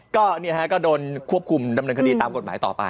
ก็โดนควบคุมดำเนินคดีตามกฎหมายต่อไป